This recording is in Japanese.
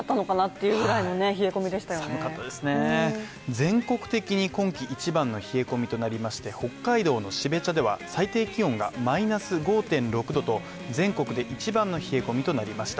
全国的に今季一番の冷え込みとなりまして北海道の標茶では最低気温がマイナス５．６℃と、全国で一番の冷え込みとなりました。